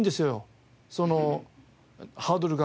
そのハードルが。